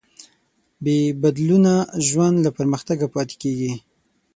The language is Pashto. بېبدلونه ژوند له پرمختګه پاتې کېږي.